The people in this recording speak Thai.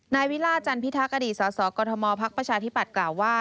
นายวิลาจันทร์พิทักษ์อดีตสศกฏมอท์ภักดิ์ประชาธิปัตย์กล่าวว่า